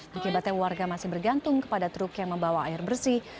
akibatnya warga masih bergantung kepada truk yang membawa air bersih